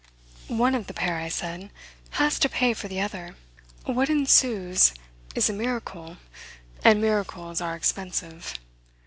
"One of the pair," I said, "has to pay for the other. What ensues is a miracle, and miracles are expensive.